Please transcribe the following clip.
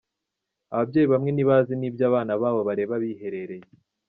Ababyeyi bamwe ntibazi n’ibyo abana babo bareba biherereye.